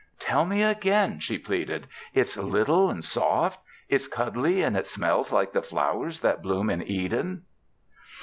"Tell me again," she pleaded. "It's little and soft. It's cuddly and it smells like the flowers that bloom in Eden."